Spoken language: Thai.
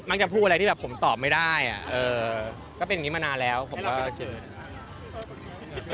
ไม่ค่ะคือก็ไม่ได้เสียหายแน่นอน